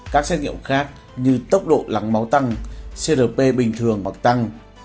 các xét nghiệm khác như tốc độ lắng máu tăng crp bình thường hoặc tăng